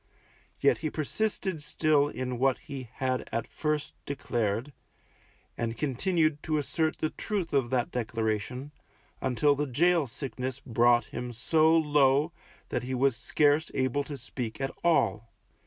Yet he persisted still in what he had at first declared, and continued to assert the truth of that declaration, until the gaol sickness brought him so low, that he was scarce able to speak at all.